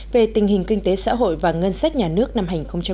về tình hình kinh tế xã hội và ngân sách nhà nước năm hai nghìn một mươi chín